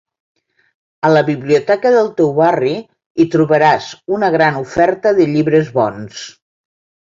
A la Biblioteca del teu barri hi trobaràs una gran oferta de llibres bons.